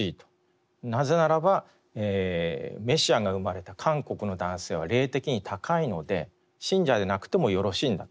なぜならばメシアが生まれた韓国の男性は霊的に高いので信者でなくてもよろしいんだと。